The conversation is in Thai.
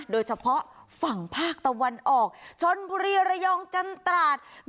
โดยเฉพาะฝั่งภาคตะวันออกชนบุรีระยองจันตราด